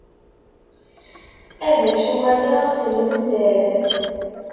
Ad as-uɣalaɣ s lmendad.